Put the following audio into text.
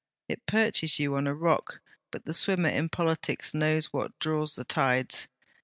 It perches you on a rock; but the swimmer in politics knows what draws the tides.